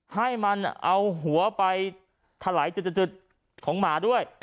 ให้มันเอาหัวไปถลายจุดของหมาด้วย